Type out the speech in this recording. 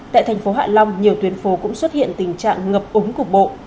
tại thành phố hạ long nhiều tuyến phố cũng xuất hiện tình trạng ngập úng cục bộ